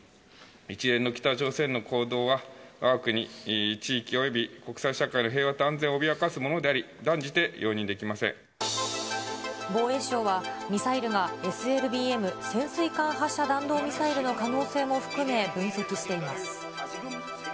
一連の北朝鮮の行動は、わが国地域および国際社会の平和と安全を脅かすものであり、防衛省は、ミサイルがＳＬＢＭ・潜水艦発射弾道ミサイルの可能性も含め、分析しています。